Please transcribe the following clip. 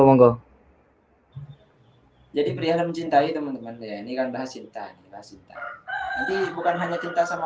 hai jadi pria mencintai teman teman ya ini kan bahas cinta cinta bukan hanya cinta sama